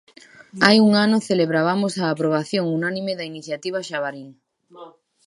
Hai un ano celebrabamos a aprobación unánime da Iniciativa Xabarín.